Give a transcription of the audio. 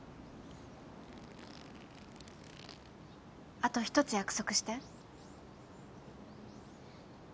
あと一つ約束して。